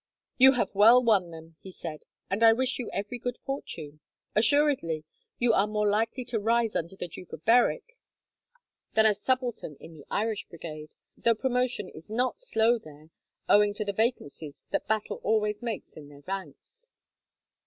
"You have well won them," he said, "and I wish you every good fortune. Assuredly, you are more likely to rise under the Duke of Berwick than as subaltern in the Irish Brigade, though promotion is not slow there, owing to the vacancies that battle always makes in their ranks."